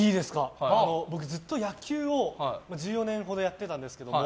僕ずっと野球を１４年ほどやってたんですけど